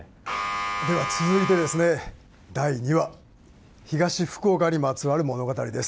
では、続いてですね、第２話、東福岡にまつわる物語です。